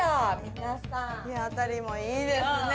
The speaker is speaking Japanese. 日当たりもいいですね。